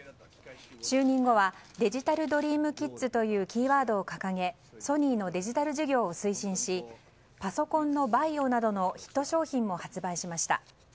就任後はデジタル・ドリーム・キッズというキーワードを掲げソニーのデジタル事業を推進しパソコンのＶＡＩＯなどのヒット商品も発売しました。